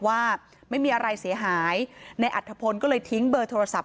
ว่าไม่มีอะไรเสียหายในอัฐพลก็เลยทิ้งเบอร์โทรศัพท์